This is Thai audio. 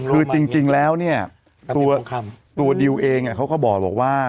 คือจริงแล้วเนี่ยตัวดิวเองเขาก็บอกว่า